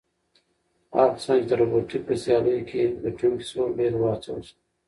هغه کسان چې د روبوټیک په سیالیو کې ګټونکي شول ډېر وهڅول شول.